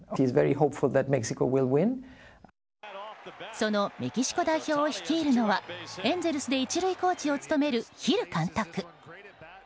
そのメキシコ代表を率いるのはエンゼルスで１塁コーチを務めるヒル監督。